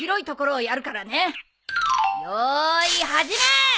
よーい始め！